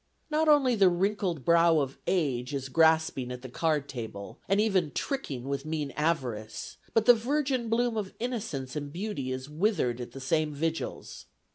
Not only the wrinkled brow of age is grasping at the card table, and even tricking with mean avarice, but the virgin bloom of innocence and beauty is withered at the same vigils.